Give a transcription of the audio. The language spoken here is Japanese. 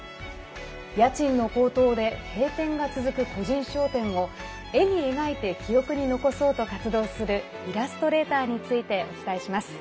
家賃の高騰で閉店が続く個人商店を、絵に描いて記憶に残そうと活動するイラストレーターについてお伝えします。